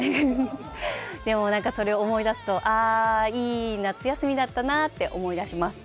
でも、それを思い出すと、あ、いい夏休みだったなと思い出します。